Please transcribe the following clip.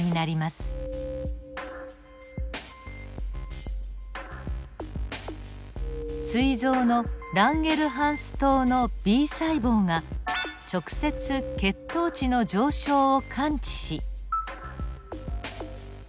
すい臓のランゲルハンス島のＢ細胞が直接血糖値の上昇を感知し。